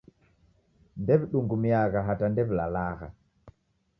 Ndew'idungumiagha hata ndew'ilalagha.